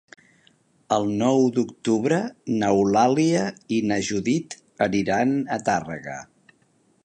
El nou d'octubre n'Eulàlia i na Judit aniran a Tàrrega.